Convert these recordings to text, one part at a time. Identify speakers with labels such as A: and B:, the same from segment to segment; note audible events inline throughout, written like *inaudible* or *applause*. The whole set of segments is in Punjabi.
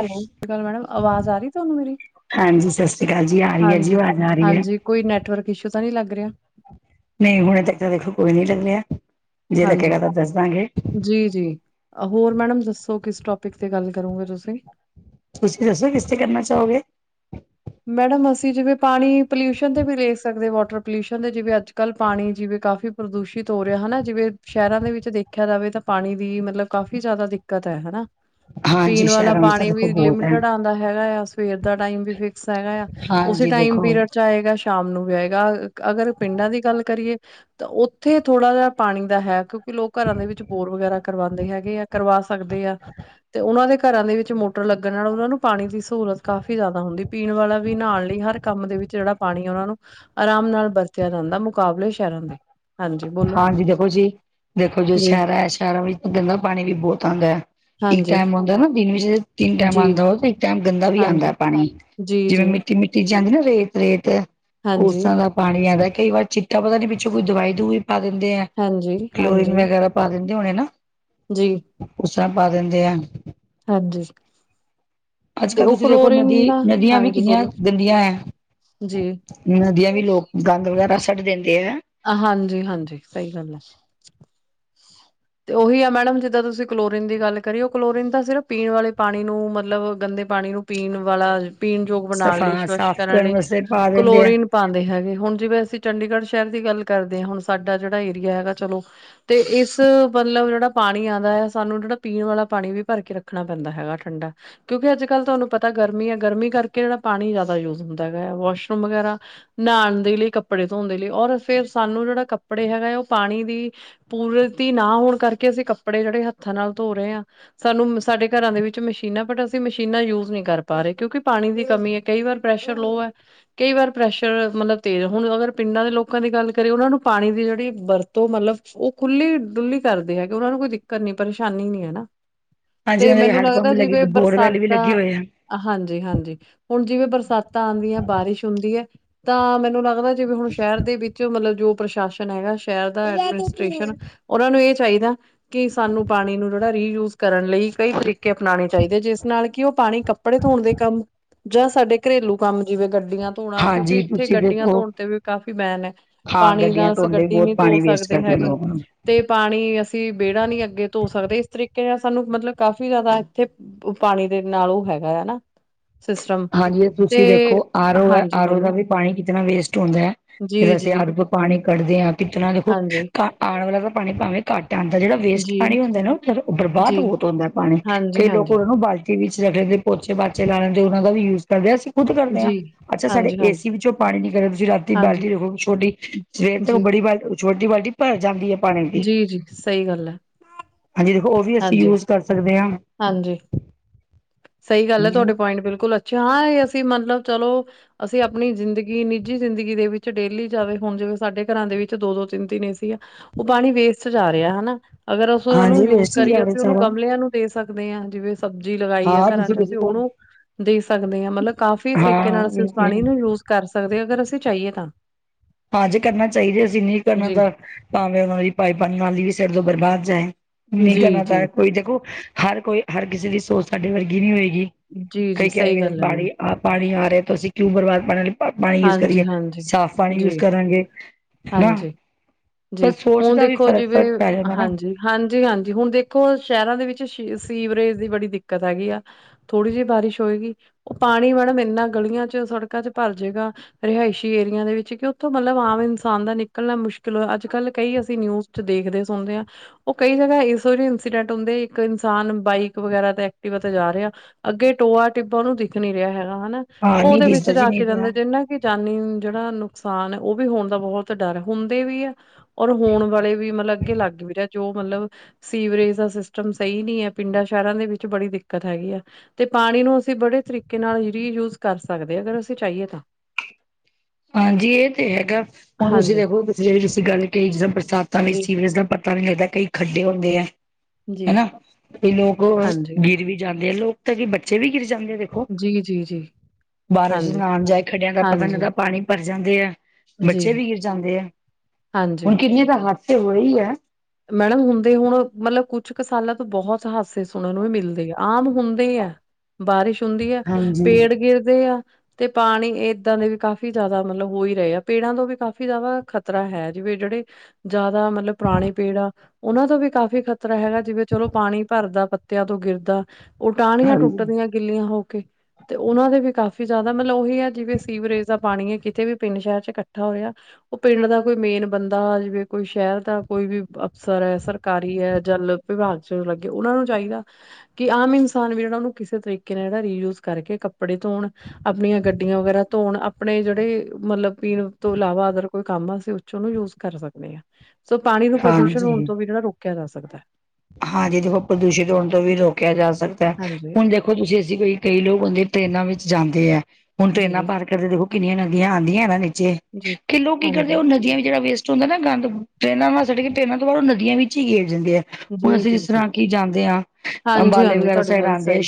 A: ਹੈਲੋ ਸਤਿ ਸ਼੍ਰੀ ਅਕਾਲ ਮੈਡਮ ਆਵਾਜ਼ ਆ ਰਹੀ ਤੁਹਾਨੂੰ ਮੇਰੀ
B: ਹਾਂਜੀ ਸਤਿ ਸ਼੍ਰੀ ਅਕਾਲ ਜੀ ਆ ਰਹੀ ਹੈ ਜੀ
A: ਹਾਂਜੀ-
B: ਆਵਾਜ਼ ਆ ਰਹੀ ਹੈ
A: ਹਾਂਜੀ ਕੋਈ ਨੈਟਵਰਕ ਇਸ਼ੂ ਤਾਂ ਨਹੀਂ ਲੱਗ ਰਿਹਾ
B: ਨਹੀਂ ਹੁਣੇ ਤੱਕ ਤਾਂ ਦੇਖੋ ਕੋਈ ਨਹੀਂ ਲੱਗ ਰਿਹਾ ਜੇ ਲੱਗੇਗਾ ਤਾਂ ਦੱਸ ਦਾਂਗੇ
A: ਜੀ-ਜੀ ਹੋਰ ਮੈਡਮ ਦੱਸੋ ਕਿਸ ਟੋਪਿਕ ਤੇ ਗੱਲ ਕਰੋਗੇ ਤੁਸੀਂ
B: ਤੁਸੀਂ ਦੱਸੋ ਕਿਸਤੇ ਕਰਨਾ ਚਾਹੋਗੇ
A: ਮੈਡਮ ਅਸੀਂ ਜਿਵੇਂ ਪਾਣੀ ਪੋਲਿਊਸ਼ਨ ਤੇ ਵੀ ਦੇੇਖ ਸਕਦੇ ਵਾਟਰ ਪੋਲਿਊਸ਼ਨ ਦੇ ਜਿਵੇਂ ਅੱਜ ਕੱਲ੍ਹ ਪਾਣੀ ਜਿਵੇਂ ਕਾਫੀ ਪ੍ਰਦੂਸ਼ਿਤ ਹੋ ਰਿਹਾ ਹੈਨਾ ਜਿਵੇਂ ਸ਼ਹਿਰਾਂ ਦੇ ਵਿੱਚ ਦੇਖਿਆ ਜਾਵੇ ਤਾਂ ਪਾਣੀ ਦੀ ਮਤਲਬ ਕਾਫ਼ੀ ਜ਼ਿਆਦਾ ਦਿੱਕਤ ਹੈ ਹੈਨਾ
B: ਹਾਂਜੀ
A: ਪੀਣ ਵਾਲਾ
B: ਸ਼ਹਿਰਾਂ ਵਿੱਚ ਤਾਂ
A: ਪਾਣੀ
B: ਦੇਖੋ
A: ਵੀ
B: ਬਹੁਤ ਹੈ
A: ਲਿਮਟਡ ਆਉਂਦਾ ਹੈਗਾ ਆ ਸਵੇਰ ਦਾ ਟਾਈਮ ਵੀ ਫਿਕ ਗਾ ਆ ਉਸੇ
B: ਹਾਂਜੀ
A: ਟਾਈਮ
B: ਦੇਖੋ
A: ਪੀਰੀਅਡ ਚ ਆਏਗਾ ਸ਼ਾਮ ਨੂੰ ਵੀ ਆਏਗਾ ਅਗਰ ਪਿੰਡਾਂ ਦੀ ਗੱਲ ਕਰੀਏ ਤਾਂ ਉੱਥੇ ਥੋੜਾ ਜਿਹਾ ਪਾਣੀ ਦਾ ਹੈ ਕਿਉਂਕਿ ਲੋਕ ਘਰਾਂ ਦੇ ਵਿੱਚ ਬੋਰ ਵਗੈਰਾ ਕਰਵਾਂਦੇ ਹੈਗੇ ਆ ਕਰਵਾ ਸਕਦੇ ਆ ਤੇ ਉਹਨਾਂ ਦੇ ਘਰਾਂ ਦੇ ਵਿੱਚ ਮੋ ਮੋਟਰ ਲੱਗਣ ਨਾਲ ਉਹਨਾਂ ਨੂੰ ਪਾਣੀ ਦੀ ਸਹੂਲਤ ਕਾਫ਼ੀ ਜ਼ਿਆਦਾ ਹੁੰਦੀ ਪੀਣ ਵਾਲਾ ਵੀ ਨਹਾਣ ਲਈ ਹਰ ਕੰਮ ਦੇ ਵਿੱਚ ਜਿਹੜਾ ਪਾਣੀ ਆ ਉਹਨਾਂ ਨੂੰ ਆਰਾਮ ਨਾਲ ਵਰਤਿਆ ਜਾਂਦਾ ਮੁਕਾਬਲੇ ਸ਼ਹਿਰਾਂ ਦੇ ਹਾਂਜੀ ਬੋਲੋ
B: ਹਾਂਜੀ ਦੇਖੋ ਜੀ-ਦੇਖੋ ਜੀ ਸ਼ਹਿਰਾਂ ਹੈ ਸ਼ਹਿਰਾਂ ਵਿੱਚ ਤੇ ਗੰਦਾ ਪਾਣੀ ਵੀ ਬਹੁਤ ਆਂਦਾ ਹੈ ਇੱਕ
A: ਹਾਂਜੀ
B: ਟਾਈਮ ਆਂਦਾ ਨਾ ਦਿਨ ਵਿਚ ਤਿੰਨ ਟਾਈਮ
A: ਜੀ
B: ਆਂਦਾ ਹੋਵੇ ਟਾਈਮ ਗੰਦਾ ਵੀ
A: ਹਾਂਜੀ
B: ਆਂਦਾ ਪਾਣੀ
A: ਜੀ
B: ਜਿਵੇਂ
A: ਜੀ
B: ਮਿੱਟੀ-ਮਿੱਟੀ ਚ ਜਾਂਦੀ ਨਾ ਰੇਤ- ਰੇਤ ਉਸ
A: ਹਾਂਜੀ
B: ਤਰ੍ਹਾਂ ਦਾ ਪਾਣੀ ਆਂਦਾ ਕਈ ਵਾਰ ਚਿੱਟਾ ਪਤਾ ਨੀ ਪਿੱਛੋਂ ਕੋਈ ਦਵਾਈ ਦਵਉਈ ਪਾ ਦਿੰਦੇ ਆ
A: ਹਾਂਜੀ
B: ਕਲੋਰੀਨ
A: ਹਾਂਜੀ
B: ਵਗੈਰਾ ਪਾ ਦਿੰਦੇ ਹੋਣੇ ਨਾ
A: ਜੀ
B: ਉਸਰ੍ਹਾਂ ਪਾ ਦਿੰਦੇ ਆ
A: ਹਾਂਜੀ
B: ਅੱਜ
A: ਤੇ
B: ਕੱਲ੍ਹ
A: ਉਹ
B: ਤੁਸੀਂ ਦੇਖੋ ਨਦੀ
A: ਕਲੋਰੀਨ ਦਾ
B: ਨਦੀਆਂ ਵੀ
A: ਹਾਂਜੀ
B: ਕਿੰਨੀਆਂ
A: ਬੋਲੋ
B: ਗੰਦੀਆਂ ਹੈ
A: ਜੀ
B: ਨਦੀਆਂ ਵੀ ਲੋਕ ਗੰਦ ਵਗੈਰਾ ਸੁੱਟ ਦਿੰਦੇ ਹੈ
A: ਹਾਂਜੀ-ਹਾਂਜੀ ਸਹੀ ਗੱਲ ਹੈ ਤੇ ਉਹੀ ਆ ਮੈਡਮ ਜਿੱਦਾਂ ਤੁਸੀਂ ਕਲੋਰੀਨ ਕਰ ਰਹੇ ਹੋ ਕਲੋਰੀਨ ਤਾ ਸਿਰਫ ਪੀਣ ਵਾਲੇ ਪਾਣੀ ਨੂੰ ਮਤਲੱਬ ਗੰਦੇ ਪਾਣੀ ਨੂੰ ਪੀਣ ਵਾਲਾ ਪੀਣਯੋਗ ਬਣਾਉਣ
B: ਸਫਾ
A: ਲਈ ਸਵਸ਼
B: ਸਾਫ਼
A: ਕਰਨ ਲਈ
B: ਵਾਸਤੇ ਪਾ ਦਿੰਦੇ ਆ
A: ਕਲੋਰੀਨ ਪਾਂਦੇ ਹੈਗੇ ਹੁਣ ਜਿਵੇਂ ਅਸੀਂ ਚੰਡੀਗੜ੍ਹ ਸ਼ਹਿਰ ਦੀ ਗੱਲ ਕਰਦੇ ਹਾਂ ਹੁਣ ਸਾਡਾ ਜਿਹੜਾ ਏਰੀਆ ਹੈਗਾ ਚਲੋ ਤੇ ਇਸ ਮਤਲਬ ਜਿਹੜਾ ਪਾਣੀ ਆਂਦਾ ਹੈ ਸਾਨੂੰ ਜਿਹੜਾ ਪੀਣ ਵਾਲਾ ਪਾਣੀ ਵੀ ਭਰ ਕੇ ਰੱਖਣਾ ਪੈਂਦਾ ਹੈਗਾ ਠੰਡਾ ਕਿਉਂਕਿ ਅੱਜ ਕੱਲ੍ਹ ਤੁਹਾਨੂੰ ਪਤਾ ਗਰਮੀ ਹੈ ਗਰਮੀ ਕਰਕੇ ਜਿਹੜਾ ਪਾਣੀ ਜ਼ਿਆਦਾ ਯੂਜ ਹੁੰਦਾ ਹੈਗਾ ਵਾਸ਼ਰੂਮ ਵਗੈਰਾ ਨਾਹਾਣ ਦੇ ਲਈ ਕੱਪੜੇ ਧੋਣ ਦੇ ਲਈ ਔਰ ਫੇਿਰ ਸਾਨੂੰ ਜਿਹੜਾ ਕੱਪੜੇ ਹੈਗਾ ਹੈ ਉਹ ਪਾਣੀ ਦੀ ਪੂਰਤੀ ਨਾ ਹੋਣ ਕਰਕੇ ਅਸੀਂ ਕੱਪੜੇ ਜਿਹੜੇ ਹੱਥਾਂ ਨਾਲ ਧੋ ਰਹੇ ਹਾਂ ਸਾਨੂੰ ਸਾਡੇ ਘਰਾਂ ਦੇ ਵਿੱਚ ਮਸ਼ੀਨਾਂ ਬਟ ਅਸੀਂ ਮਸ਼ੀਨਾਂ ਯੂਜ ਨਹੀਂ ਕਰ ਪਾ ਰਹੇ ਕਿਉਂਕਿ ਪਾਣੀ ਦੀ ਕਮੀ ਕਈ ਵਾਰ ਪ੍ਰੈਸ਼ਰ ਲੋ ਐ, ਕਈ ਵਾਰ ਪ੍ਰੈਸ਼ਰ ਮਤਲਬ ਤੇਜ਼ ਹੁਣ ਅਗਰ ਪਿੰਡਾਂ ਦੇ ਲੋਕ ਲੋਕਾਂ ਦੀ ਗੱਲ ਕਰੀਏ ਉਹਨਾਂ ਨੂੰ ਪਾਣੀ ਦੀ ਜਿਹੜੀ ਵਰਤੋਂ ਮਤਲਬ ਉਹ ਖੁੱਲੀ ਡੁੱਲੀ ਕਰਦੇ ਐ ਉਹਨਾਂ ਨੂੰ ਕੋਈ ਦਿੱਕ ਤ ਨੀ ਪਰੇਸ਼ਾਨੀ ਨੀ ਐ ਨਾ,
B: ਹਾਂਜੀ
A: ਤੇ
B: ਉਹਨਾਂ ਦੇ
A: ਮੈਨੂੰ
B: ਹੈਂਡ ਪੰਪ
A: ਲੱਗਦਾ
B: ਵੀ ਲੱਗੇ
A: ਜਿਵੇਂ
B: ਬੋਰਵੈਲ ਵੀ ਲੱਗੇ
A: ਬਰਸਾਤਾਂ
B: ਹੋਏ ਆ
A: ਹਾਂਜੀ-ਹਾਂਜੀ, ਹੁਣ ਜਿਵੇਂ ਬਰਸਾਤਾਂ ਆਂਦੀ ਆ ਬਾਰਿਸ਼ ਹੁੰਦੀ ਐ ਤਾਂ ਮੈਨੂੰ ਲੱਗਦਾ ਜਿਵੇ ਹੁਣ ਸ਼ਹਿਰ ਦੇ ਵਿੱਚ ਮਤਲਬ ਜੋ ਪ੍ਰਸ਼ਾਸਨ ਹੈਗਾ ਸ਼ਹਿਰ ਦਾ ਐਡਮਿਨਿਸਟ੍ਰੇਸ਼ਨ ਉਹਨਾ ਨੂੰ ਇਹ ਚਾਹੀਦਾ ਕਿ ਸਾਨੂੰ ਪਾਣੀ ਨੂੰ, ਜਿਹੜਾ ਰੀਯੂਜ ਕਰਨ ਲਈ ਕਈ ਤਰੀਕੇ ਅਪਣਾਣੇ ਚਾਹੀਦੇ ਜਿਸ ਨਾਲ ਕਿ ਉਹ ਪਾਣੀ ਕੱਪੜੇ, ਧੋਣ ਦੇ ਕੰਮ ਜਾਂ ਸਾਡੇ, ਘਰੇਲੂ ਕੰਮ ਜਿਵੇਂ ਗੱਡੀਆਂ ਧੋਣਾ, ਕਿਉਂਕਿ
B: ਹਾਂਜੀ
A: ਇੱਥੇ
B: ਤੁਸੀਂ
A: ਗੱਡੀਆਂ
B: ਦੇਖੋ
A: ਧੋਣ ਤੇ ਵੀ ਕਾਫੀ ਬੇਨ ਐ
B: ਹਾਂ
A: ਪਾਣੀ
B: ਗੱਡੀਆਂ
A: ਨਾਲ ਅਸੀਂ
B: ਧੋਣ ਲਈ
A: ਗੱਡੀ ਨੀ
B: ਬਹੁਤ
A: ਧੋ
B: ਪਾਣੀ ਵੇਸਟ
A: ਸਕਦੇ
B: ਕਰਦੇ
A: ਹੈਗੇ।
B: ਲੋਕ
A: ਤੇ ਪਾਣੀ ਅਸੀਂ ਵਿਹੜਾ ਨੀ ਅੱਗੇ ਧੋ ਸਕਦੇ, ਇਸ ਤਰੀਕੇ ਨਾਲ ਸਾਨੂੰ ਮਤਲਬ ਕਾਫ਼ੀ ਜ਼ਿਆਦਾ ਇੱਥੇ। ਪਾਣੀ ਦੇ ਨਾਲ ਉਹ ਹੈਗਾ ਆ।
B: ਹਾਂਜੀ, ਤੁਸੀਂ ਦੇਖੋ ਆ ਰੋ ਐ
A: ਹਾਂਜੀ
B: ਆ ਰੋ ਦਾ
A: ਬੋਲੋ
B: ਵੀ। ਪਾਣੀ ਕਿਤਨਾ ਵੇਸਟ ਹੁੰਦਾ ਐ,
A: ਜੀ
B: ਜਦੋਂ ਅਸੀਂ
A: ਜੀ
B: ਹੱਪ ਪਾਣੀ ਕੱਢਦੇ ਆ ਕਿਤਨਾ ਦੇਖੋ,
A: ਹਾਂਜੀ
B: *unintelligible* ਪਾਣੀ ਭਾਵੇਂ। ਘੱਟ ਆਂਦਾ ਜਿਹੜਾ ਵੇਸਟ
A: ਜੀ
B: ਪਾਣੀ ਹੁੰਦਾ ਨਾ, ਫਿਰ
A: ਜੀ
B: ਬਰਬਾਦ ਬਹੁਤ ਹੁੰਦਾ ਪਾਣੀ
A: ਹਾਂਜੀ
B: ਫਈ ਲੋਕ
A: ਹਾਂਜੀ
B: ਉਹ ਨੂੰ ਬਾਲਟੀ। ਵਿੱਚ ਰੱਖਣ ਦੇ ਪੋਚੇ ਪਾਂਚੇ ਲਾ ਲੈਂਦੇ ਉਹਨਾਂ ਦਾ ਵੀ ਯੂਜ ਕਰਦੇ ਆ ਅਸੀਂ ਖੁਦ ਕਰਦੇ ਆ।
A: ਜੀ
B: ਅੱਛਾ ਸਾਡੇ
A: ਹਾਂਜੀ ਹਾਂਜੀ
B: ਏਸੀ ਵਿੱਚੋਂ ਪਾਣੀ ਨਿਕਲਦਾ ਤੁਸੀਂ ਰਾਤੀ
A: ਹਾਂਜੀ
B: ਬਾਲਟੀ ਰੱਖੋ ਛੋਟੀ ਸਵੇਰ ਤੇ ਉਹ
A: ਜੀ
B: ਬੜੀ ਬ, ਛੋਟੀ ਬਾਲਟੀ ਭਰ ਜਾਂਦੀ ਐ ਪਾਣੀ ਦੀ।
A: ਜੀ ਜੀ ਸਹੀ ਗੱਲ ਹੈ
B: ਹਾਂਜੀ, ਦੇਖੋ ਉਹ ਵੀ ਅਸੀਂ
A: ਹਾਂਜੀ
B: ਯੂਜ ਕਰ ਸਕਦੇ ਆ।
A: ਹਾਂਜੀ ਸਹੀ ਗੱਲ ਐ ਤੁਹਾਡੇ ਪੁਆਇੰਟ ਬਿਲਕੁਲ ਅੱਛਾ ਹਾਂ ਇਹ ਅਸੀਂ ਮਤਲਬ ਚਲੋ। ਅਸੀਂ ਆਪਣੀ ਜ਼ਿੰਦਗੀ ਨਿੱਜੀ ਜ਼ਿੰਦਗੀ ਦੇ ਵਿੱਚ ਡੇਲੀ ਜਾਵੇ ਹੁਣ ਜਿਵੇਂ ਸਾਡੇ ਘਰਾਂ ਦੇ ਵਿੱਚ ਦੋ ਦੋ ਤਿੰਨ ਤਿੰਨ ਏ ਸੀ ਆ। ਉਹ ਪਾਣੀ ਵੇਸਟ ਜਾ ਰਿਹਾ ਹਨਾ ਅਗਰ, ਅਸੀਂ ਉਹਨੂੰ
B: ਹਾਂਜੀ
A: ਯੂਜ
B: ਵੇਸਟ ਹੀ
A: ਕਰੀਏ
B: ਜਾ ਰਿਹਾ
A: ਅਸੀਂ ਉਹਨੂੰ
B: ਸਾਰਾ
A: ਗਮਲਿਆਂ ਨੂੰ, ਦੇ ਸਕਦੇ ਆ ਜਿਵੇਂ ਸਬਜ਼ੀ ਲਗਾਈ ਐ
B: ਹਾਂ
A: ਘਰਾਂ
B: ਤੁਸੀਂ
A: ਚ
B: ਕਿਸੇ
A: ਅਸੀਂ
B: ਕੋਲ
A: ਉਹਨੂੰ ਦੇ ਸਕਦੇ ਆ ਮਤਲਬ ਕਾਫ਼ੀ ਤਰੀਕੇ ਨਾਲ
B: ਹਾਂ
A: ਅਸੀਂ
B: ਇਹ
A: ਉਸ
B: ਤੇ ਹੈ।
A: ਪਾਣੀ ਨੂੰ ਯੂਜ, ਕਰ ਸਕਦੇ ਅਗਰ ਅਸੀਂ ਚਾਹੀਏ ਤਾਂ।
B: ਹਾਂ ਜੇ ਕਰਨਾ ਚਾਹੀਦਾ ਅਸੀਂ ਨਹੀਂ ਕਰਨਾ
A: ਜੀ
B: ਤਾਂ ਭਾਵੇਂ ਉਹਨਾਂ ਦੀ ਭਾਈਪਾਨ *unintelligible* ਵੀ ਸਿਰ ਤੋਂ ਬਰਬਾਦ ਜਾਏ। ਨਹੀਂ
A: ਜੀ
B: ਕਰਨਾ
A: ਜੀ
B: ਤਾਂ ਕੋਈ ਦੇਖੋ ਹਰ ਕੋਈ ਹਰ ਕਿਸੇ ਦੀ ਸੋਚ ਸਾਡੇ ਵਰਗੀ ਨੀ ਹੋਏਗੀ।
A: ਜੀ
B: ਕਈ
A: ਜੀ
B: ਕ
A: ਸਹੀ
B: ਆਏਗਾ
A: ਗੱਲ ਹੈ ਮੈਡਮ
B: ਪਾ ਪਾਣੀ ਆ ਰਿਹਾ ਤਾਂ ਅਸੀਂ ਕਿਉਂ ਬਰਬਾਦ ਪਾਣੀ। ਪਾਣੀ ਯੂਜ
A: ਹਾਂਜੀ
B: ਕਰੀਏ
A: ਹਾਂਜੀ
B: ਸਾਫ਼ ਪਾਣੀ
A: ਜੀ
B: ਯੂਜ ਕਰਾਂਗੇ ਹਨਾ।
A: ਹਾਂਜੀ ਜੀ
B: ਪਰ ਸੋਚ
A: ਹੁਣ
B: ਦਾ ਵੀ
A: ਦੇਖੋ
B: ਫ਼ਰਕ
A: ਜਿਵੇਂ
B: ਫ਼ਰਕ ਪੈ ਜਾਂਦਾ ਨਾ
A: ਹਾਂਜੀ। ਹਾਂਜੀ ਹਾਂਜੀ, ਹੁਣ ਦੇਖੋ ਸ਼ਹਿਰਾਂ ਦੇ ਵਿੱਚ ਸੀਵਰੇਜ ਦੀ ਬੜੀ ਦਿੱਕਤ ਹੈਗੀ ਆ। ਥੋੜੀ ਜਿਹੀ ਬਾਰਿਸ਼ ਹੋਏਗੀ ਉਹ ਪਾਣੀ ਮੈਡਮ ਇੰਨਾ ਗਲੀਆਂ ਚ ਸੜਕਾਂ ਚ ਭਰ ਜੇਗਾ। ਰਿਹਾਇਸ਼ੀ ਏਰੀਆਂ ਦੇ ਵਿੱਚ ਕਿ ਉੱਥੋਂ ਮਤਲਬ ਆਮ ਇਨਸਾਨ ਦਾ ਨਿਕਲਣਾ ਮੁਸ਼ਕਿਲ ਚਲੋ ਅੱਜ ਕੱਲ ਕਈ, ਅਸੀਂ ਨਿਊਜ਼ ਚ ਦੇਖਦੇ ਸੁਣਦੇ ਆ। ਉਹ ਕਈ ਜਗ੍ਹਾ ਇਸੋ ਜਿਹੇ ਇੰਸੀਡੈਂਟ ਹੁੰਦੇ ਇੱਕ ਇਨਸਾਨ ਬਾਈਕ ਵਗੈਰਾ ਤੇ ਐਕਟਿਵਾ ਤੇ ਜਾ ਰਿਹਾ। ਅੱਗੇ ਟੋਆ ਟਿੱਬਾ ਉਹਨੂੰ ਦਿਖ ਨੀ ਰਿਹਾ ਹੈਗਾ, ਹਨਾ
B: ਹਾਂ ਨਹੀਂ
A: ਉਹਦੇ ਵਿੱਚ
B: ਦਿਸਦਾ ਜੀ
A: ਜਾ
B: ਨਹੀਂ
A: ਕੇ
B: ਪਿਆ
A: ਜਾਂਦੇ ਜਿਵੇਂ ਨਾ। ਜਾਨੀ ਜਿਹੜਾ ਨੁਕਸਾਨ ਐ, ਉਹ ਵੀ ਹੋਣ ਦਾ ਬਹੁਤ ਡਰ ਹੁੰਦੇ ਵੀ ਐ। ਔਰ ਹੋਣ ਵਾਲੇ ਵੀ ਮਤਲਬ ਅੱਗੇ ਲੱਗ ਵੀ ਰਿਹਾ ਜੋ ਮਤਲਬ ਸੀਵਰੇਜ ਦਾ ਸਿਸਟਮ ਸਹੀ ਨੀ ਐ ਪਿੰਡਾਂ ਸ਼ਹਿਰਾਂ ਦੇ ਵਿੱਚ ਬੜੀ ਦਿੱਕਤ ਹੈਗੀ ਆ। ਤੇ ਪਾਣੀ ਨੂੰ ਅਸੀਂ ਬੜੇ ਤਰੀਕੇ ਨਾਲ ਰੀਯੂਜ ਕਰ ਸਕਦੇ ਅਗਰ ਅਸੀਂ ਚਾਹੀਏ ਤਾਂ।
B: ਹਾਂਜੀ, ਇਹ ਤੇ ਹੈਗਾ ਹੁਣ, ਤੁਸੀਂ
A: ਹਾਂਜੀ।
B: ਦੇਖ ਲਓ *unintelligible* ਤੁਸੀਂ ਗੱਲ ਕਹੀ ਜਿਸਦਾਂ ਬਰਸਾਤਾਂ ਵਿੱਚ
A: ਜੀ,
B: ਸੀ ਜਿਸ ਦਾ ਪਾਣੀ ਪਤਾ ਨੀ ਲੱਗਦਾ ਕਈ ਖੱਡੇ ਹੁੰਦੇ ਐ
A: ਜੀ।
B: ਹਨਾ ਕਈ ਲੋਕ
A: ਹਾਂਜੀ,
B: ਗਿਰ ਵੀ ਜਾਂਦੇ ਆ ਲੋਕ, ਕਦੀ ਬੱਚੇ ਵੀ ਗਿਰ ਜਾਂਦੇ ਦੇਖੋ
A: ਜੀ, ਜੀ, ਜੀ,
B: ਬਾਰਸ਼
A: ਹਾਂਜੀ,
B: ਨਾਣ ਜਾਏ ਖੱਡਿਆਂ ਦਾ ਪਤਾ ਨੀ ਲੱਗਦਾ।
A: ਹਾਂਜੀ,
B: ਪਾਣੀ ਭਰ ਜਾਂਦੇ ਆ
A: ਜੀ,
B: ਬੱਚੇ ਵੀ ਗਿਰ ਜਾਂਦੇ ਆ
A: ਹਾਂਜੀ।
B: ਹੁਣ ਕਿੰਨੀਆਂ ਦਾ ਹਾ,, ਦਸੇ ਓਹੇ ਈ ਐ।
A: ਮੈਡਮ ਹੁੰਦੇ ਹੁਣ ਮਤਲਬ ਕੁਛ ਕੁ ਸਾਲਾਂ ਤੋਂ, ਬਹੁਤ ਹਾਦਸੇ ਸੁਣਨ ਨੂੰ ਵੀ ਮਿਲਦੇ ਆ ਆਮ ਹੁੰਦੇ ਆ। ਬਾਰਿਸ਼ ਹੁੰਦੀ ਹੈ,
B: ਹਾਂਜੀ
A: ਪੇੜ ਗਿਰਦੇ ਆ। ਤੇ ਪਾਣੀਏਦਾਂ ਦੇ ਵੀ ਕਾਫ਼ੀ ਜ਼ਿਆਦਾ ਮਤਲਬ ਹੋ ਹੀ ਰਹੇ, ਆ ਪੇੜਾਂ ਤੋਂ ਵੀ ਕਾਫ਼ੀ ਜ਼ਿਆਦਾ ਖ਼ਤਰਾ ਹੈ ਜਿਵੇ ਜਿਹੜੇ, ਜ਼ਿਆਦਾ ਮਤਲਬ ਪੁਰਾਣੇ, ਪੀੜਾ ਉਹਨਾਂ ਤੋਂ ਵੀ ਕਾਫ਼ੀ ਖ਼ਤਰਾ ਹੈਗਾ ਜਿਵੇਂ ਚਲੋ ਪਾਣੀ ਭਰਦਾ ਪੱਤਿਆਂ ਤੋਂ ਗਿਰਦਾ। ਉਹ ਟਾਹਣੀਆਂ
B: ਹਾਂਜੀ
A: ਟੁੱਟਦੀਆਂ ਗਿੱਲੀਆਂ ਹੋ ਕੇ ਤੇ ਉਹਨਾਂ ਦੇ ਵੀ ਕਾਫ਼ੀ ਜ਼ਿਆਦਾ ਮਤਲਬ ਉਹੀ ਹੈ, ਜਿਵੇਂ ਸੀਵਰੇਜ ਦਾ ਪਾਣੀ ਹੈ ਕਿਤੇ ਵੀ ਪਿੰਡ ਸ਼ਹਿਰ ਚ ਇਕੱਠਾ ਹੋ ਰਿਹਾ। ਉਹ ਪਿੰਡ ਦਾ ਕੋਈ ਮੇਨ ਬੰਦਾ ਜਿਵੇਂ ਕੋਈ ਸ਼ਹਿਰ ਦਾ ਕੋਈ ਵੀ, ਅਫਸਰ ਏ ਸਰਕਾਰੀ ਏ, ਜਲ ਵਿਭਾਗ ਚ ਲੱਗੇ ਉਹਨਾ ਨੂੰ ਚਾਹੀਦਾ। ਕਿ ਆਮ ਇਨਸਾਨ ਵੀ ਜਿਹੜਾ ਉਹਨੂੰ ਕਿਸੇ ਤਰੀਕੇ ਨਾਲ ਜਿਹੜਾ ਰੀਯੂਜ ਕਰਕੇ ਕੱਪੜੇ ਧੋਣ, ਆਪਣੀਆਂ ਗੱਡੀਆਂ ਵਗੈਰਾ ਧੋਣ- ਆਪਣੇ ਜਿਹੜੇ ਮਤਲਬ ਪੀਣ ਤੋਂ ਇਲਾਵਾ ਅਗਰ ਕੋਈ ਕੰਮ ਆ ਅਸੀਂ ਉੱਚੋਂਨੂੰ ਯੂਜ ਕਰ ਸਕਦੇ ਹਾਂ- ਸੋ ਪਾਣੀ ਨੂੰ ਪ੍ਰਦੂਸ਼ਣ ਹੋਣ
B: ਹਾਂਜੀ
A: ਤੋਂ ਵੀ ਜਿਹੜਾ ਰੋਕਿਆ ਜਾ ਸਕਦਾ-
B: ਹਾਂਜੀ ਦੇਖੋ ਪ੍ਰਦੂਸ਼ਿਤ ਹੋਣ ਤੋਂ ਵੀ
A: ਜੀ
B: ਰੋਕਿਆ ਜਾ ਸਕਦਾ ਹੈ
A: ਹਾਂਜੀ
B: ਹੁਣ ਦੇਖੋ- ਦੇਖੋ ਤੁਸੀਂ ਅਸੀਂ ਕੋਈ ਕਈ ਲੋਕ ਹੁੰਦੇ ਟ੍ਰੇਨਾਂ ਵਿੱਚ ਜਾਂਦੇ ਹੈ ਹੁਣ ਟ੍ਰੇਨਾਂ
A: ਜੀ
B: ਭਰ- ਕਰਦੇ ਦੇਖੋ ਕਿੰਨੀਆਂ ਨਦੀਆਂ ਆਉਂਦੀਆਂ ਨੇ ਨਾ ਨੀਚੇ
A: ਜੀ
B: ਕਿ ਲੋਕ ਕੀ ਕਰਦੇ
A: ਹਾਂਜੀ
B: ਉਹ ਨਦੀਆਂ ਵੀ ਜਿਹੜਾ ਵੇਸਟ- ਹੁੰਦਾ ਨਾ ਗੰਦ ਟ੍ਰਰੇਨਾਂ ਨਾਲ ਸੁੱਟ ਕੇ ਟ੍ਰੇਨਾਂ ਤੋਂ ਬਾਹਰ ਉਹ ਨਦੀਆਂ ਵਿੱਚ ਹੀ ਗੇਰ ਜਾਂਦੇ ਆ- ਹੁਣ
A: ਜੀ
B: ਅਸੀਂ
A: ਜੀ
B: ਜਿਸ
A: ਜੀ
B: ਤਰ੍ਹਾਂ ਕਿ ਜਾਂਦੇ ਹਾਂ
A: ਹਾਂਜੀ
B: ਅੰਬਾਲੇ
A: ਹਾਂਜੀ
B: ਵਗੈਰਾ
A: ਤੁਹਾਡੀ
B: ਸਾਈਡ
A: ਗੱਲ
B: ਆਉਂਦੇ ਆ
A: ਸਹੀ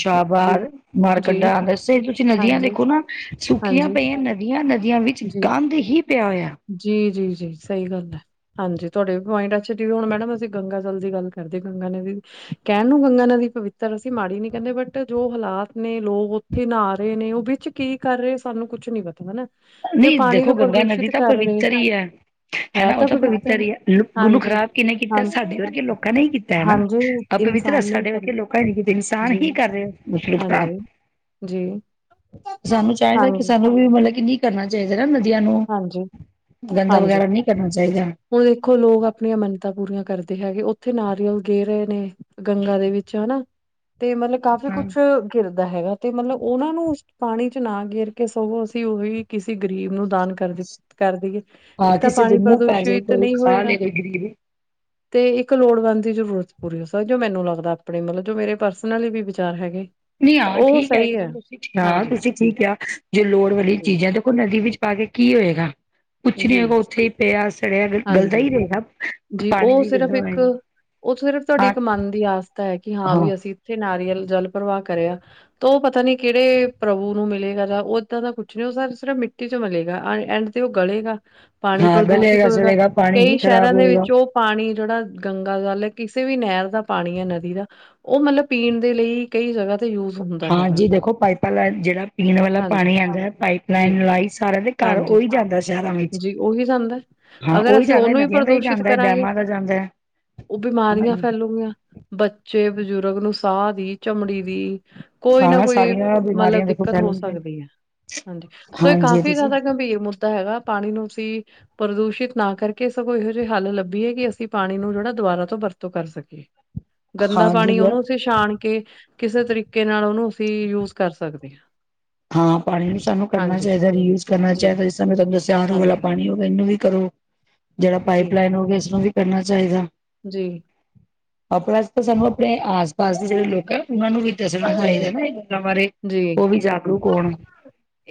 A: ਜੀ
B: ਸ਼ਾਹਬਾਦ- ਮਾਰ
A: ਜੀ
B: ਕੰਡਾਉਦਾੱਸ ਤੁਸੀਂ ਨਦੀਆਂ
A: ਹਾਂਜੀ
B: ਦੇਖੋ ਨਾ ਸੁੱਕੀਆਂ
A: ਹਾਂਜੀ
B: ਪਈਆਂ ਨਦੀਆਂ ਨਦੀਆਂ ਵਿੱਚ ਗੰਦ ਹੀ- ਪਿਆ ਹੋਇਆ-
A: ਜੀ ਜੀ ਜੀ ਸਹੀ ਗੱਲ ਐ - ਹਾਂਜੀ ਤੁਹਾਡੇ ਵੀ ਪੋਇੰਟ ਅੱਛੇ ਹੁਣ ਮੈਡਮ ਅਸੀਂ ਗੰਗਾ ਜਲ ਦੀ ਗੱਲ ਕਰਦੇ ਗੰਗਾ ਨਦੀ ਦੀ - ਕਹਿਣ ਨੂੰ ਗੰਗਾ ਨਦੀ ਪਵਿੱਤਰ ਅਸੀਂ ਮਾੜੀ ਨੀ ਕਹਿੰਦੇ ਬਟ ਜੋ ਹਾਲਾਤ ਨੇ ਲੋਕ- ਥੇ ਨਹਾ ਰੇ ਨੇ ਉਹ ਵਿੱਚ ਕੀ ਕਰ ਰਹੇ ਸਾਨੂੰ ਕੁਛ ਨੀ ਪਤਾ ਹਨਾ- ਤੇ
B: ਨਹੀਂ
A: ਪਾਣੀ
B: ਦੇਖੋ
A: ਨੂੰ
B: ਗੰਗਾ ਨਦੀ
A: ਪ੍ਰਦੂਸ਼ਿਤ
B: ਤਾਂ
A: ਕਰ ਰਹੇ
B: ਪਵਿੱਤਰ ਈ ਐ - ਹਨਾ ਉਹ ਤਾਂ ਪਵਿੱਤਰ ਈ ਐ ਉਹਨੂੰ
A: ਹਾਂਜੀ।
B: ਖ਼ਰਾਬ ਕਿੰਨੇ ਕੀਤਾ ਸਾਡੇ ਵਰਗੇ
A: ਹਾਂਜੀ-ਹਾਂਜੀ
B: ਲੋਕਾਂ ਨੇ ਹੀ ਕੀਤਾ ਹਨਾ- ਅਪਵਿੱਤਰ
A: ਇਨਸਾਨ ਨੇ
B: ਸਾਡੇ
A: ਕਰ
B: ਵਰਗੇ ਲੋਕਾਂ ਨੀ ਕਿਤੇ ਇਨਸਾਨ
A: ਜੀ
B: ਈ ਕਰ ਰਹੇ ਉਸਨੂੰ ਖਰਾਬ
A: ਹਾਂਜੀ
B: -
A: ਜੀ
B: ਸਾਨੂੰ ਚਾਹੀਦਾ ਕਿ
A: ਹਾਂਜੀ।
B: ਸਾਨੂੰ- ਮਤਲਬ ਕਿ ਨਹੀਂ ਕਰਨਾ ਚਾਹੀਦਾ ਨਾ ਨਦੀਆਂ ਨੂੰ ਗੰਦਾ
A: ਹਾਂਜੀ-ਹਾਂਜੀ
B: ਵਗੈਰਾ ਨਹੀਂ ਕਰਨਾ ਚਾਹੀਦਾ-
A: ਹੁਣ ਦੇਖੋ ਲੋਕ ਆਪਣੀਆਂ ਮੰਨਤਾਾਂ ਪੂਰੀਆਂ ਕਰਦੇ ਹੈਗੇ ਉੱਥੇ ਨਾਰੀਅਲ ਗੇ ਰਹੇ ਨੇ- ਗੰਗਾ ਦੇ ਵਿੱਚ ਹਨਾ ਤੇ ਮਤਲਬ ਕਾਫ਼ੀ ਕੁਛ-
B: ਹਾਂ
A: ਘਿਰਦਾ ਹੈਗਾ ਤੇ ਮਤਲਬ ਉਹਨਾਂ ਨੂੰ ਉਸ ਪਾਣੀ ਚ ਨਾ ਗਿਰ ਕੇ ਸਗੋਂ ਅਸੀਂ ਉਹੀ ਕਿਸੇ ਗਰੀਬ ਨੂੰ ਦਾਨ- ਕਰਦੀ ਕਰਦੀਐ ਇੱਕ ਤਾਂ
B: ਕਿਸੇ ਦੇ
A: ਪਾਣੀ
B: ਮੂੰਹ ਪੈ ਜੇ
A: ਪ੍ਰਦੂਸ਼ਿਤ
B: ਕੋਈ
A: ਨਹੀਂ
B: ਖਾ
A: ਹੋਏਗਾ-
B: ਲੇ ਕੋਈ ਗਰੀਬ
A: ਤੇ ਇੱਕ ਲੋੜਵੰਦ ਦੀ ਜ਼ਰੂਰਤ ਪੂਰੀ ਹੋ ਸਕਦੀ ਜੋ ਮੈਨੂੰ ਲੱਗਦਾ ਆਪਣੇ ਮਤਲਬ ਜੋ ਮੇਰੇ ਪਰਸਨਲੀ ਵੀ ਵਿਚਾਰ ਹੈਗੇ-
B: ਨਹੀਂ
A: ਤਾਂ
B: ਹਾਂ
A: ਉਹ
B: ਠੀਕ ਹੈ ਕਿ
A: ਸਹੀ
B: ਤੁਸੀਂ ਹਾਂ
A: ਹਾਂਜੀ
B: ਤੁਸੀਂ ਠੀਕ ਕਿਹਾ ਜੋ ਲੋੜ ਵਾਲੀ
A: ਜੀ
B: ਚੀਜ਼ਾਂ ਦੇਖੋ ਨਦੀ ਵਿੱਚ- ਪਾ ਕੇ ਕੀ ਹੋਏਗਾ ਕੁੱਛ ਨੀ
A: ਜੀ
B: ਹੋਏਗਾ ਉੱਥੇ ਹੀ ਪਿਆ ਸੜਿਆ ਗਲਦਾ
A: ਹਾਂਜੀ
B: ਹੀ ਰਹੇਗਾ-
A: ਜੀ
B: ਪਾਣੀ
A: ਉਹ
B: ਵੀ
A: ਸਿਰਫ
B: ਗੰਦਾ
A: ਇੱਕ
B: ਹੋਏਗਾ
A: ਉਹਥ ਸਿਰਫ ਤੁਹਾਡੀ
B: ਹਾਂ
A: ਇੱਕ ਮਨ ਦੀ ਆਸਥਾ ਹੈ ਕਿ ਹਾਂ ਵੀ- ਇੱਥੇ ਨਾਰੀਅਲ ਜਲ ਪ੍ਰਵਾਹ ਕਰਿਆ- ਤਾਂ ਉਹ ਪਤਾ ਨੀ ਕਿਹੜੇ ਪ੍ਰਭੂ ਨੂੰ ਮਿਲੇਗਾ ਜਾਂ ਇਦਾ ਦਾ ਕੁਛ ਨੀ ਉਹ ਸਿਰਫ ਮਿੱਟੀ ਚ ਮਿਲੇਗਾ ਐਂਡ- ਤੇ ਉਹ ਗਲੇਗਾ ਪਾਣੀ
B: ਹਾਂ
A: ਪ੍ਰਦੂਸ਼ਿਤ
B: ਗਲੇਗਾ
A: ਹੋਏਗਾ
B: ਸੜੇਗਾ ਪਾਣੀ ਹੀ
A: ਕਈ
B: ਖ਼ਰਾਬ
A: ਸ਼ਹਿਰਾਂ ਦੇ ਵਿੱਚ-
B: ਹੋਏਗਾ
A: ਉਹ ਪਾਣੀ ਜਿਹੜਾ ਗੰਗਾ ਜਲ ਕਿਸੇ ਵੀ ਨਹਿਰ ਦਾ ਪਾਣੀ ਹੈ ਨਦੀ ਦਾ- ਉਹ ਮਤਲਬ ਪੀਣ ਦੇ ਲਈ ਕਈ ਜਗ੍ਹਾ- ਯੂਸ ਹੁੰ-
B: ਹਾਂਜੀ ਦੇਖੋ ਪਾਈਪਾਂ ਜਿਹੜਾ ਪੀਣ ਵਾਲਾ
A: ਹਾਂਜੀ,
B: ਪਾਣੀ ਆਉਂਦਾ ਪਾਈਪ
A: ਜੀ,
B: ਲਾਈਨ ਲਾਈ ਸਾਰਿਆਂ ਦੇ- ਘਰ
A: ਹਾਂਜੀ,
B: ਉਹੀ ਜਾਂਦਾ ਸ਼ਹਿਰਾਂ ਵਿੱਚ
A: ਜੀ ਉਹੀ ਜਾਂਦਾ, ਹੈ।
B: ਹਾਂ
A: ਅਗਰ
B: ਉਹੀ
A: ਅਸੀਂ
B: ਜਾਂਦਾ
A: ਉਹਨੂੰ
B: ਨਦੀਆਂ ਦਾ ਹੀ
A: ਪ੍ਰਦੂਸ਼ਿਤ
B: ਜਾਂਦਾ-
A: ਕਰਾਂਗੇ
B: ਡੈਮਾਂ ਦਾ ਜਾਂਦਾ ਐ
A: ਉਹ
B: -
A: *unintelligible* ਬੱਚੇ ਬਜ਼ੁਰਗ ਨੂੰ ਸਾਹ ਦੀ ਚਮੜੀ ਦੀ- ਕੋਈ ਨਾ
B: ਹਾਂ
A: ਕੋਈ
B: ਸਾਰੀਆਂ
A: ਮਤਲਬ
B: ਬਿਮਾਰੀਆਂ ਦੇਖੋ
A: ਦਿੱਕਤ ਹੋ
B: ਫੈਲਣਗੀਆਂ
A: ਸਕਦੀ ਐ - ਹਾਂਜੀ ਸੋ ਇਹ
B: ਹਾਂਜੀ
A: ਕਾਫ਼ੀ
B: ਤੁਸੀਂ
A: ਜ਼ਿਆਦਾ ਗੰਭੀਰ ਮੁੱਦਾ ਹੈਗਾ- ਪਾਣੀ ਨੂੰ ਅਸੀਂ ਪ੍ਰਦੂਸ਼ਿਤ ਨਾ ਕਰਕੇ ਸਗੋਂ ਇਹੋ ਜਿਹੇ ਹੱਲ ਲ- ਭੀ ਕਿ ਅਸੀਂ ਪਾਣੀ ਨੂੰ ਜਿਹੜਾ ਦੁਬਾਰਾ ਤੋਂ ਵਰਤੋਂ ਕਰ ਸਕੀਏ ਗੰਦਾ ਪਾਣੀ
B: ਹਾਂਜੀ
A: ਉਹਨੂੰ ਅਸੀਂ- ਛਾਣ ਕੇ ਕਿਸੇ ਤਰੀਕੇ ਨਾਲ ਉਹਨੂੰ ਅਸੀਂ ਯੂਜ ਕਰ ਸਕਦੇ ਹਾਂ-
B: ਹਾਂ ਪਾਣੀ ਵੀ ਸਾਨੂੰ ਕਰਨਾ
A: ਹਾਂਜੀ
B: ਚਾਹੀਦਾ ਯੂਜ ਕਰਨਾ
A: ਜੀ
B: ਚਾਹੀਦਾ ਤੁਹਾਨੂੰ ਦੱਸਿਆ ਆਰੂ ਵਾਲਾ
A: ਹਾਂਜੀ
B: ਪਾਣੀ ਹੋਵੇ ਇਹਨੂੰ ਵੀ ਕਰੋ- ਜਿਹੜਾ ਪਾਈਪ
A: ਜੀ
B: ਲਾਈਨ ਹੋਵੇ ਇਸਨੂੰ ਵੀ ਕਰਨਾ ਚਾਹੀਦਾ-
A: ਜੀ-
B: *inaudible* ਅੱਜ ਦੇ ਜਿਹੜੇ ਲੋਕ ਹੈ ਉਹਨਾਂ ਨੂੰ ਵੀ ਦੱਸਣਾ ਚਾਹੀਦਾ
A: ਹਾਂਜੀ
B: ਹੈ ਨਾ ਇਹ ਗੱਲਾਂ ਬਾਰੇ
A: ਜੀ
B: ਉਹ ਵੀ ਜਾਗਰੂਕ ਹੋਣ-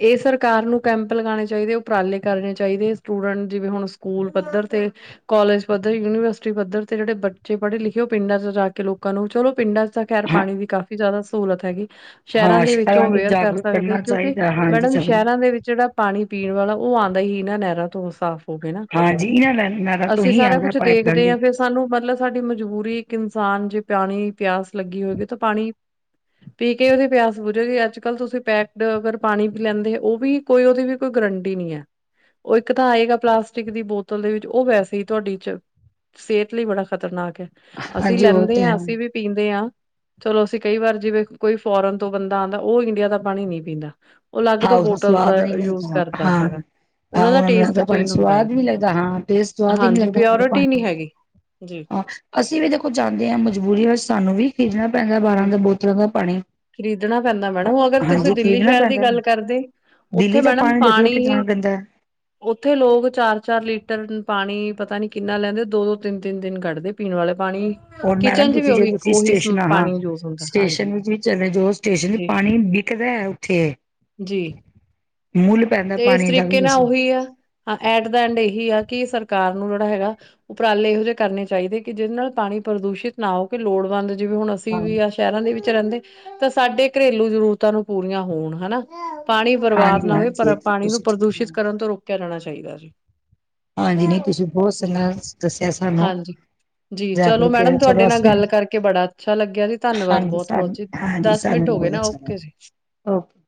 A: ਇਹ ਸਰਕਾਰ ਨੂੰ ਕੈਂਪ ਲਗਾਉਣੇ ਚਾਹੀਦੇ ਉਪਰਾਲੇ ਕਰਨੇ ਚਾਹੀਦੇ ਸਟੂਡੈਂਟ ਜਿਵੇਂ ਹੁਣ ਸਕੂਲ ਪੱਧਰ ਤੇ- ਕਾਲੇਜ ਪੱਧਰ ਯੂਨੀਵਰਸਿਟੀ ਪੱਧਰ ਤੇ ਜਿਹੜੇ ਬੱਚੇ ਪੜ੍ਹੇ ਲਿਖੇ ਉਹ ਪਿੰਡਾਂ ਚ ਜਾ ਕੇ ਲੋਕਾਂ ਨੂੰ ਚਲੋ ਪਿੰਡਾਂ- ਤਾਂ ਖ਼ੈਰ
B: ਹਾਂ
A: ਪਾਣੀ ਦੀ ਕਾਫ਼ੀ ਜ਼ਿਆਦਾ ਸਹੂਲਤ ਹੈਗੀ ਸ਼ਹਿਰਾਂ
B: ਹਾਂ
A: ਦੇ ਵਿੱਚ ਉਹ ਅਵੇਅਰ ਕਰ
B: ਜਾਗਰੂਕ
A: ਸਕਦੇ ਹੈ
B: ਕਰਨਾ
A: ਕਿਉਂਕਿ-
B: ਚਾਹੀਦਾ ਹਾਂਜੀ
A: ਮੈਡਮ
B: ਸਭ ਨੂੰ।
A: ਸ਼ਹਿਰਾਂ ਦੇ ਵਿੱਚ ਜਿਹੜਾ ਪਾਣੀ ਪੀਣ ਵਾਲਾ ਉਹ ਆਉਂਦਾ ਹੀ ਨਾ ਨਹਿਰਾਂ ਤੋਂ ਸਾਫ਼ ਹੋਵੇ ਨਾ
B: ਹਾਂਜੀ ਇਹਨਾਂ ਦਾ ਨਾਰਾ ਤੋਂ
A: ਅਸੀਂ
B: ਹੀ
A: ਸਾਰਾ
B: ਆਉਂਦਾ
A: ਕੁਛ
B: ਪਾਈਪਲਾਈਨ
A: ਦੇਖਦੇ
B: ਜੀ
A: ਹਾਂ ਫਿਰ ਸਾਨੂੰ ਮਤਲਬ ਸਾਡੀ ਮਜਬੂਰੀ ਇੱਕ ਇਨਸਾਨ ਜੇ ਪਾਣੀ ਪਿਆਸ ਲੱਗੀ ਹੋਏਗੀ ਤਾਂ ਪਾਣੀ ਪੀ ਕੇ ਉਹਦੀ ਪਿਆਸ ਬੁਝੋ ਜਗੀ ਅੱਜ ਕੱਲ ਤੁਸੀਂ ਪੈਕਡ ਅਗਰ ਪੀ ਕੇ ਪਾਣੀ ਪੀ ਲੈਂਦੇ ਹੈ ਉਹ ਵੀ ਕੋਈ ਉਹਦੀ ਵੀ ਕੋਈ ਗਰੰਟੀ ਨਹੀਂ ਹੈ। ਉਹ ਇੱਕ ਤਾਂ ਆਏਗਾ ਪਲਾਸਟਿਕ ਦੀ ਬੋਤਲ ਦੇ ਵਿੱਚ ਉਹ ਵੈਸੇ ਹੀ ਤੁਹਾਡੀ ਚ, ਸਿਹਤ ਲਈ ਬੜਾ ਖ਼ਤਰਨਾਕ ਹੈ। ਅਸੀਂ
B: ਹਾਂਜੀ ਉਹ
A: ਲੈਂਦੇ
B: ਤੇ
A: ਹਾਂ
B: ਹੈ।
A: ਅਸੀਂ ਵੀ ਪੀਂਦੇ ਹਾਂ ਚਲੋ ਅਸੀਂ ਕਈ ਵਾਰ ਜਿਵੇਂ ਕੋਈ ਫੋਰਨ ਤੋਂ ਬੰਦਾ ਆਉਂਦਾ ਉਹ ਇੰਡੀਆ ਦਾ ਪਾਣੀ ਨਹੀਂ ਪੀਂਦਾ, ਉਹ ਅਲੱਗ
B: ਹਾਂ
A: ਤੋਂ
B: ਉਸਨੂੰ
A: ਬੋਟਲ ਦਾ
B: ਸਵਾਦ ਨਹੀਂ
A: ਯੂਜ
B: ਲੱਗਦਾ
A: ਕਰਦਾ
B: ਹਾਂ
A: ਹੈਗਾ
B: ਹਾਂ
A: ਉਹਨਾਂ ਦਾ
B: ਨੂੰ
A: ਟੇਸਟ
B: ਲੱਗਦਾ ਪਾਣੀ
A: ਚੇਂਜ ਹੁੰਦਾ
B: ਸਵਾਦ ਨੀ ਲੱਗਦਾ ਹਾਂ
A: ਹੈ,
B: ਟੇਸਟ ਸਵਾਦ ਹੀ ਨੀ
A: ਹਾਂਜੀ
B: ਲੱਗਦਾ ਉਹਨਾਂ ਨੂੰ ਪਾਣੀ
A: ਪਿਓਰਟੀ ਨਹੀਂ ਹੈਗੀ
B: ਅਸੀਂ ਵੀ ਦੇਖੋ ਜਾਂਦੇ ਹਾਂ ਮਜਬੂਰੀ ਵਿੱਚ ਸਾਨੂੰ ਵੀ ਖਰੀਦਣਾ ਪੈਂਦਾ ਬਾਹਾਰਾਂ ਦੇ ਬੋਤਲਾਂ ਦਾ ਪਾਣੀ
A: ਖ਼ਰੀਦਣਾ ਪੈਂਦਾ ਮੈਡਮ ਉਹ ਅਗਰ ਤੁਸੀਂ
B: ਹਾਂਜੀ
A: ਦਿੱਲੀ
B: ਖਰੀਦਣਾ
A: ਸ਼ਹਿਰ ਦੀ
B: ਪੈਂਦਾ
A: ਗੱਲ ਕਰਦੇ ਉੱਥੇ
B: ਦਿੱਲੀ ਦਾ
A: ਮੈਡਮ
B: ਦੇਖ ਲਓ
A: ਪਾਣੀ
B: ਕਿਤਨਾ
A: ਹੀ
B: ਗੰਦਾ ਹੈ।
A: ਉੱਥੇ ਲੋਕ ਚਾਰ ਚਾਰ ਲੀਟਰ ਪਾਣੀ ਪਤਾ ਨੀ ਕਿੰਨਾ ਲੈਂਦੇ ਦੋ ਦੋ ਤਿੰਨ ਤਿੰਨ ਦਿਨ ਕੱਢਦੇ, ਪੀਣ ਵਾਲੇ ਪਾਣੀ
B: ਹੁਣ ਮੈਡਮ
A: ਕਿਚਨ ਚ ਵੀ
B: ਤੁਸੀਂ ਜੇ
A: ਉਹੀ
B: ਤੁਸੀਂ
A: ਉਹੀ
B: ਸਟੇਸ਼ਨ ਆ
A: ਪਾਣੀ ਯੂਜ ਹੁੰਦਾ ਹਾਂਜੀ
B: ਸਟੇਸ਼ਨ ਵਿੱਚ ਵੀ ਚਲੇ ਜਾ ਸਟੇਸ਼ਨ
A: ਜੀ
B: ਪਾਣੀ ਵਿਕਦਾ ਉੱਥੇ
A: ਜੀ
B: ਮੁੱਲ ਪੈਂਦਾ
A: ਤੇ ਇਸ
B: ਪਾਣੀ ਦਾ ਵੀ
A: ਤਰੀਕੇ ਨਾਲ
B: ਵਸੀ।
A: ਉਹੀ ਆ ਹਾਂ ਐਟ ਦਾ ਐਂਡ ਇਹੀ ਆ ਕਿ ਸਰਕਾਰ ਨੂੰ ਜਿਹੜਾ ਹੈਗਾ ਉਪਰਾਲੇ ਇਹੋ ਜਿਹੇ ਕਰਨੇ ਚਾਹੀਦੇ ਕਿ ਜਿਹਦੇ ਨਾਲ ਪਾਣੀ ਪ੍ਰਦੂਸ਼ਿਤ ਨਾ ਹੋ ਕੇ ਲੋੜਵੰਦ ਜਿਵੇਂ ਹੁਣ ਅਸੀਂ
B: ਹਾਂ,
A: ਵੀ ਆ ਸ਼ਹਿਰਾਂ ਦੇ ਵਿੱਚ ਰਹਿੰਦੇ ਤਾਂ ਸਾਡੇ ਘਰੇਲੂ ਜ਼ਰੂਰਤਾਂ ਨੂੰ ਪੂਰੀਆਂ ਹੋਣ ਹਨਾ ਪਾਣੀ ਬਰਬਾਦ
B: ਹਾਂਜੀ
A: ਨਾ ਹੋਏ
B: ਹਾਂਜੀ
A: ਪਰ ਪਾਣੀ ਨੂੰ
B: ਤੁਸੀਂ ਠੀਕ
A: ਪ੍ਰਦੂਸ਼ਿਤ
B: ਕਹਿ
A: ਕਰਨ ਤੋਂ ਰੋਕਿਆ ਜਾਣਾ ਚਾਹੀਦਾ ਸੀ।
B: ਹਾਂਜੀ ਨਹੀਂ ਤੁਸੀਂ ਬਹੁਤ ਸੋਹਣਾ ਦੱਸਿਆ ਸਾਨੂੰ
A: ਹਾਂਜੀ ਜੀ ਚਲੋ
B: ਜਾਗਰੂਕ
A: ਮੈਡਮ ਤੁਹਾਡੇ
B: ਚਲੋ
A: ਨਾਲ
B: ਅਸੀਂ
A: ਗੱਲ ਕਰਕੇ ਬੜਾ ਅੱਛਾ ਲੱਗਿਆ ਜੀ, ਧੰਨਵਾਦ
B: ਹਾਂਜੀ
A: ਬਹੁਤ ਬਹੁਤ
B: ਸਾਨੂੰ
A: ਜੀ।
B: ਹਾਂਜੀ
A: ਦਸ ਮਿੰਟ
B: ਸਾਨੂੰ
A: ਹੋ ਗਏ
B: ਬਹੁਤ
A: ਨਾ
B: ਅੱਛਾ
A: ਓਕੇ
B: ਲੱਗਾ
A: ਜੀ
B: ਓਕੇ